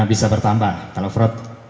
bisa bertambah kalau fraud